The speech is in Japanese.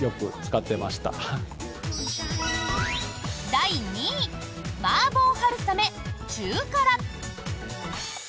第２位麻婆春雨中辛。